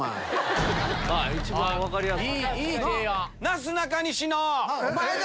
一番分かりやすい。